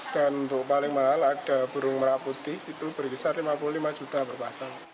dan untuk paling mahal ada burung merak putih itu berkisar lima puluh lima juta per pasang